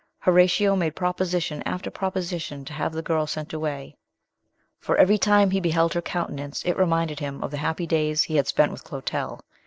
Horatio made proposition after proposition to have the girl sent away, for every time he beheld her countenance it reminded him of the happy days he had spent with Clotel.